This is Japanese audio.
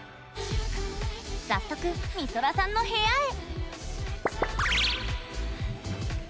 早速、みそらさんの部屋へ！